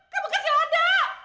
kamu kasih lada